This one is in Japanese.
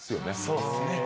そうですね。